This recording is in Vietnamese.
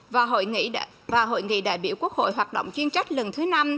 và hội nghị đại biểu quốc hội hoạt động chuyên trách lần thứ năm